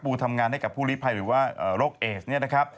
ทำงานให้กับผู้ลิภัยหรือว่าโรคเอสเนี่ยนะครับ